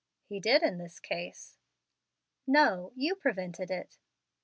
"He did, in this case." "No; you prevented it."